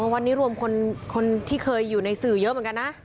วันนี้รวมคนที่เคยอยู่ในสื่อเยอะเหมือนกันนะ